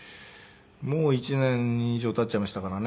もう１年以上経っちゃいましたからね。